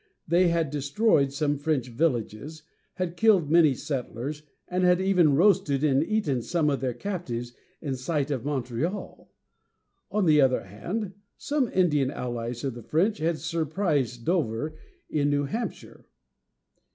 They had destroyed some French villages, had killed many settlers, and had even roasted and eaten some of their captives in sight of Montreal. On the other hand, some Indian allies of the French had surprised Dover, in New Hampshire.